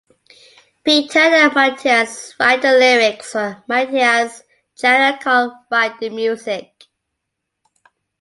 Peter and Mattias write the lyrics, while Mattias, Jari and Carl write the music.